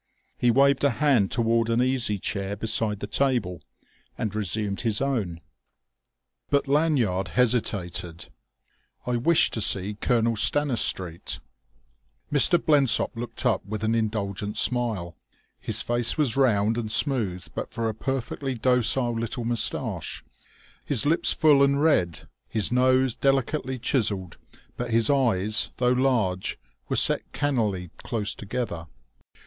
He waved a hand toward an easy chair beside the table, and resumed his own. But Lanyard hesitated. "I wished to see Colonel Stanistreet." Mr. Blensop looked up with an indulgent smile. His face was round and smooth but for a perfectly docile little moustache, his lips full and red, his nose delicately chiselled; but his eyes, though large, were set cannily close together.